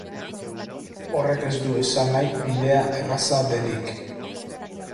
Horrek ez du esan nahi bidea erraza denik.